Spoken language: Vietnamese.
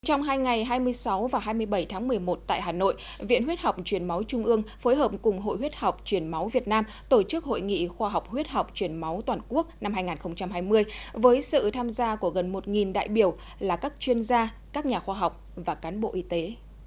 trong hai ngày hai mươi sáu và hai mươi bảy tháng một mươi một tại hà nội viện huyết học truyền máu trung ương phối hợp cùng hội huyết học truyền máu việt nam tổ chức hội nghị khoa học huyết học truyền máu toàn quốc năm hai nghìn hai mươi với sự tham gia của gần một đại biểu là các chuyên gia các nhà khoa học và cán bộ y tế